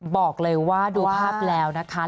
บอกเลยว่าดูภาพแล้วนะคะ